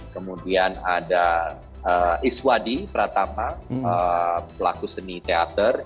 kemudian ada iswadi pratama pelaku seni teater